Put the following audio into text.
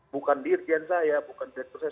bukan dirjen saya bukan direktur saya